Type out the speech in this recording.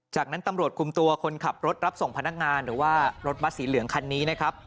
จากนั้นตำรวจคุมตัวคนขับรถรับส่งพนักงานหรือว่ารถบัสสีเหลืองคันนี้นะครับ